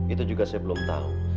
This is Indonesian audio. itu juga saya belum tahu